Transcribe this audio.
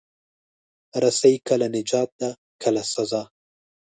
رسۍ کله نجات ده، کله سزا.